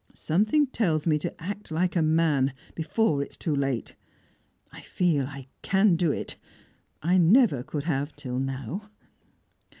Something tells me to act like a man, before it is too late. I feel I can do it. I never could have, till now."